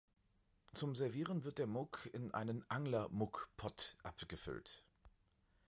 Zum Servieren wird der Muck in einen „Angler-Muck-Pott“ abgefüllt.